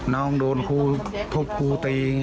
น้องโดนทูบครูตี